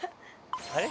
あれ？